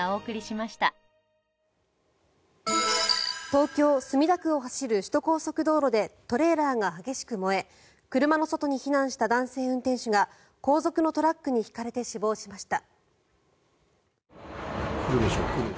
東京・墨田区を走る首都高速道路でトレーラーが激しく燃え車の外に避難した男性運転手が後続のトラックにひかれて死亡しました。